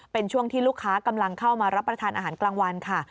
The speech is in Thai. เป็นช่วงที่ลูกค้ากำลังเข้ามารับประทานอาหารกลางวันค่ะ